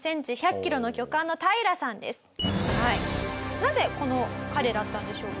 なぜこの彼だったんでしょうか？